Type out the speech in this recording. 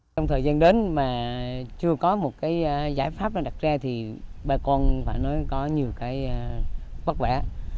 trong thời gian đến mà chưa có một cái giải pháp đặt ra thì bà con phải nói có nhiều cái bất vẻ